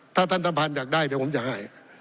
ถ้าท่านตะพันธ์อยากได้เดี๋ยวผมจะให้